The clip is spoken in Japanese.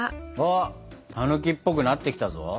あたぬきっぽくなってきたぞ。